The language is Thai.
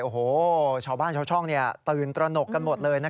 โอ้โหชาวบ้านชาวช่องตื่นตระหนกกันหมดเลย